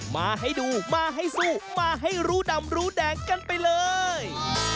มาให้ดูมาให้สู้มาให้รู้ดำรู้แดงกันไปเลย